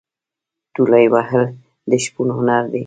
تولې وهل د شپون هنر دی.